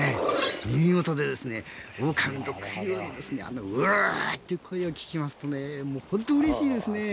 耳元で、オオカミ特有のうーという声を聞きますと本当にうれしいですね。